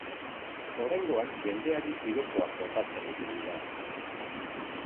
Oraingoan jendeari piropoak botatzen ibili da.